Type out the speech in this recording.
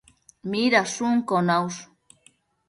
Midashunquio naush?